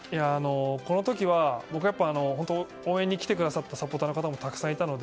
この時は応援に来てくださったサポーターの方もたくさんいたので。